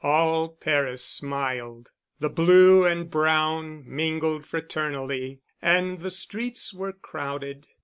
All Paris smiled. The blue and brown mingled fraternally and the streets were crowded.